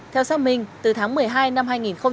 theo xác minh từ tháng một mươi hai năm hai nghìn một mươi bảy